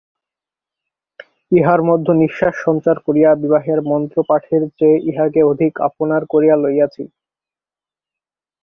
ইহার মধ্যে নিশ্বাস সঞ্চার করিয়া বিবাহের মন্ত্রপাঠের চেয়ে ইহাকে অধিক আপনার করিয়া লইয়াছি।